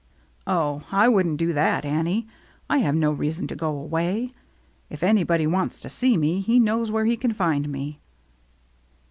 " Oh, I couldn't do that, Annie. I have no reason to go away. If anybody wants to see me, he knows where he can find me."